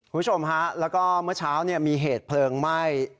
คุณผู้ชมฮะแล้วก็เมื่อเช้ามีเหตุเพลิงไหม้